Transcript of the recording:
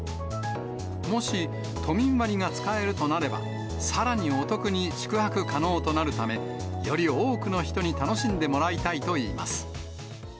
もし、都民割が使えるとなれば、さらにお得に宿泊可能となるため、より多くの人に楽しんでもらいたいといいます。